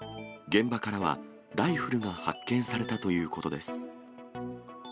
現場からはライフルが発見されたということです。